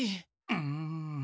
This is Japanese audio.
うん。